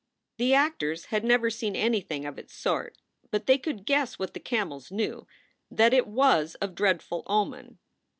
The actors had never seen anything of its sort, but they could guess what the camels knew that it was of dreadful omen.